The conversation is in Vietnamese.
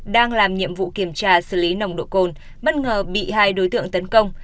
đang làm nhiệm vụ kiểm tra xử lý nồng độ cồn bất ngờ bị hai đối tượng tấn công